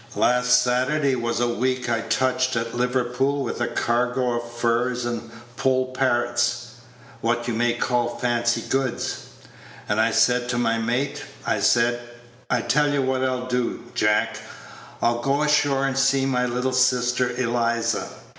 Last Saturday was a week I touched at Liverpool with a cargo of furs and poll parrots what you may call fancy goods; and I said to my mate, I said, 'I'll tell you what I'll do, Jack; I'll go ashore and see my little sister Eliza.'